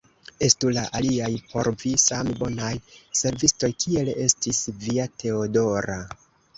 Estu la aliaj por vi same bonaj servistoj, kiel estis via Teodora!